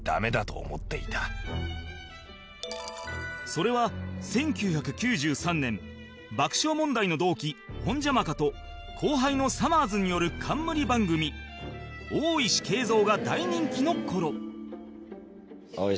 それは１９９３年爆笑問題の同期ホンジャマカと後輩のさまぁずによる冠番組『大石恵三』が大人気の頃